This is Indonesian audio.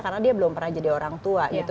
karena dia belum pernah jadi orang tua gitu